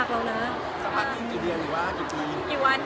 สักพักอยู่เดียวหรือว่าจุดนี้